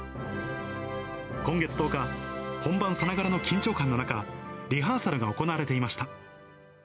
今月１０日、本番さながらの緊張感の中、リハーサルが行われていました。